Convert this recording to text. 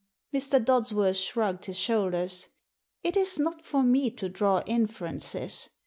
Mr. Dodsworth shrugged his shoulders. "It is not for me to draw inferences.